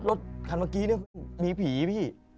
รถขนตร์เมื่อกี้มีผีพี่